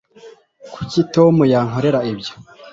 kuki tom yankorera ibyo